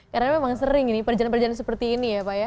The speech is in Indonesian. karena memang sering nih perjalanan perjalanan seperti ini ya pak ya